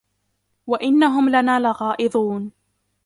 وإنهم لنا لغائظون